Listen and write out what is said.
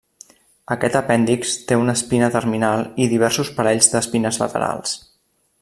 Aquest apèndix té una espina terminal i diversos parells d'espines laterals.